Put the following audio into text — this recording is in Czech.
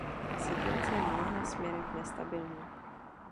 Situace je mnoha směrech nestabilní.